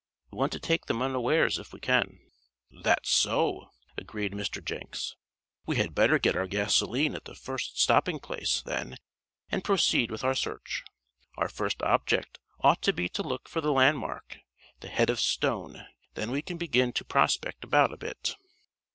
We want to take them unawares if we can." "That's so," agreed Mr. Jenks. "We had better get our gasoline at the first stopping place, then, and proceed with our search. Our first object ought to be to look for the landmark the head of stone. Then we can begin to prospect about a bit."